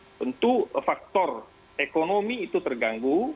tentu faktor ekonomi itu terganggu